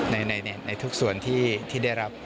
ในทุกส่วนที่ได้รับ